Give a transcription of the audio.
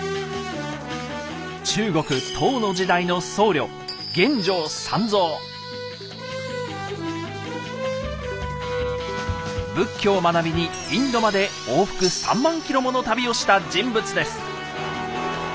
中国唐の時代の僧侶仏教を学びにインドまで往復３万キロもの旅をした人物です。